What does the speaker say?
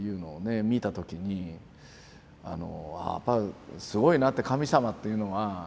見た時にやっぱりすごいなって神様っていうのは。